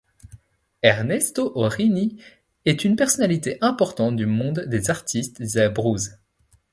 Ernesto Aurini est une personnalité importante du monde des artistes des Abruzzes.